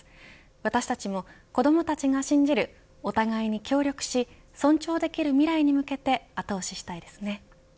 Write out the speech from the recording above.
私たちも子どもたちが信じるお互いに協力し尊重できる未来に向けて後押ししたいですね。